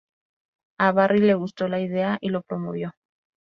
A Barry le gustó la idea y lo promovió.